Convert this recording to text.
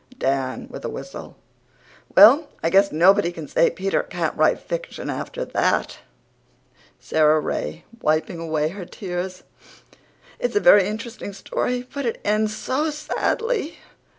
(DAN, WITH A WHISTLE: "Well, I guess nobody can say Peter can't write fiction after THAT." SARA RAY, WIPING AWAY HER TEARS: "It's a very interesting story, but it ends SO sadly."